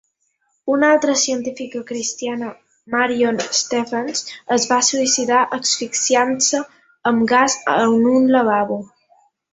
Una altra científica cristiana, Marion Stephens, es va suïcidar asfixiant-se amb gas en un lavabo.